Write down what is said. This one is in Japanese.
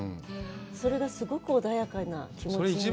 それがすごく穏やかな気持ちになって。